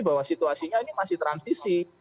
bahwa situasinya ini masih transisi